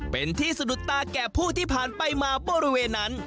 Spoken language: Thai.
เป็นที่สะดุดตาแก่ผู้ที่ผ่านไปมาบริเวณนั้น